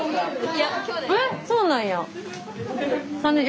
えっそうなんや？